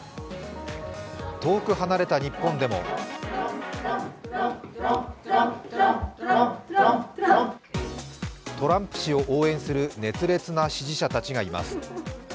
遠く離れた日本でもトランプ氏を応援する熱烈な支持者たちがいます。